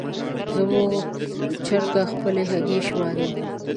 زموږ چرګه خپلې هګۍ شماري.